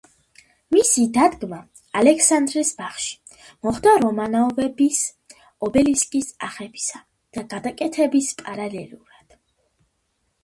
მისი დადგმა ალექსანდრეს ბაღში, მოხდა რომანოვების ობელისკის აღებისა და გადაკეთების პარალელურად.